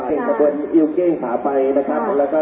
เป็นทางค่อยที่จะเป็นคอพวดอยู่นะคะ